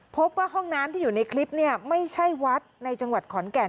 พบว่าห้องน้ำที่อยู่ในคลิปเนี่ยไม่ใช่วัดในจังหวัดขอนแก่น